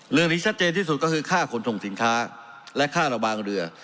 เรื่องนี้ชัดเจนที่สุดก็คือค่าขนส่งสินค้าและค่าระวางเรือ